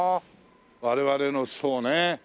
我々のそうね